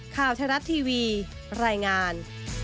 ข้าวทะลัดทีวีรายงาน